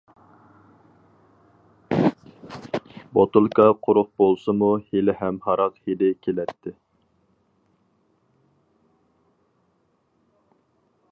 بوتۇلكا قۇرۇق بولسىمۇ ھېلىھەم ھاراق ھىدى كېلەتتى.